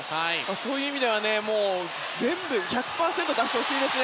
そういう意味では全部１００％出してほしいです。